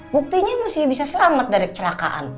buktinya masih bisa selamat dari kecelakaan